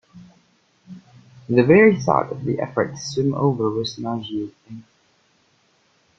The very thought of the effort to swim over was nauseating.